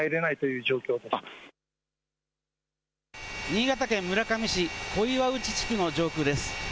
新潟県村上市小岩内地区の上空です。